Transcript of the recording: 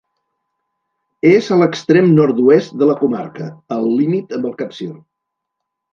És a l'extrem nord-oest de la comarca, al límit amb el Capcir.